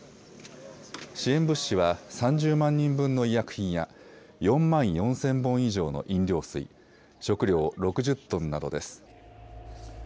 支援物資は３０万人分の医薬品や４万４０００本以上の飲料水、食料６０トンなどです。